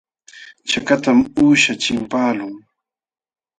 Chakatam uusha chimpaqlun.